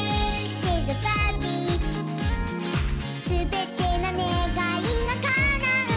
「すべてのねがいがかなうなら」